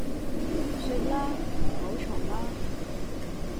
算啦，唔好嘈啦